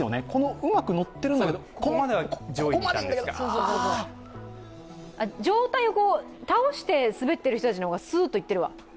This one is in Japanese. うまく乗っているんだけど、ここま上体を倒して滑っている人たちの方がスーッといってるわ。